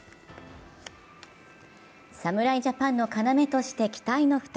侍ジャパンの要として期待の２人。